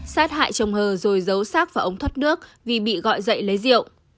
sát hại chồng hờ rồi giấu xác và ống thoát nước vì bị gọi dậy lấy rượu